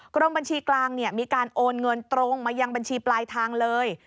กรมบัญชีกลางมีการโอนเงินตรงมายังบัญชีปลายทางเลย